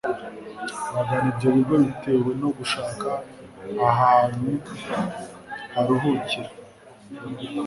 bagana ibyo bigo bitewe no gushaka ahantu baruhukira